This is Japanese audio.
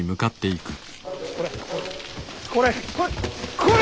これこれ！